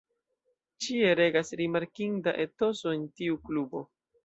Ĉie regas rimarkinda etoso en tiu klubo.